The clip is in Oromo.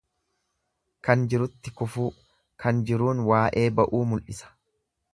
Kan jirutti kufuu, kan jiruun waa'ee ba'uu mul'isa.